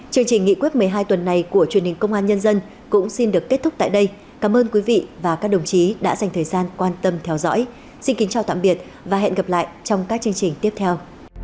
chương trình nghị quyết một mươi hai tuần này của truyền hình công an nhân dân cũng xin được kết thúc tại đây cảm ơn quý vị và các đồng chí đã dành thời gian quan tâm theo dõi xin kính chào tạm biệt và hẹn gặp lại trong các chương trình tiếp theo